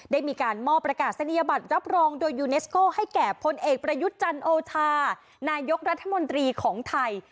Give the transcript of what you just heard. ได้มีการมอบประกาศนียบัตรรับรองโดยยูเนสโก้ให้แก่พลเอกประยุทธ์จันโอชานายกรัฐมนตรีของไทย